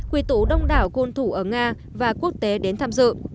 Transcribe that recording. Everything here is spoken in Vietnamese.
quy tụ đông đảo gôn thủ ở nga và quốc tế đến tham dự